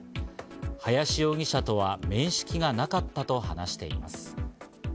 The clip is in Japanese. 林容疑者とは面識がなかったと話しています。